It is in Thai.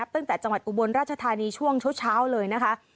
ตั้งแต่จังหวัดอุบลราชธานีช่วงเช้าเลยนะคะ